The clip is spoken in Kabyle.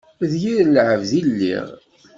D yir lɛebd i lliɣ.